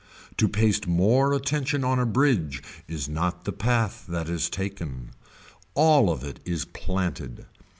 To paste more attention on a bridge is not the path that is taken. All of it is planted.